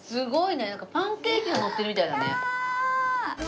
なんかパンケーキがのってるみたいだね。